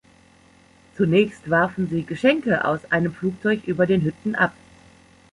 Zunächst warfen sie Geschenke aus einem Flugzeug über den Hütten ab.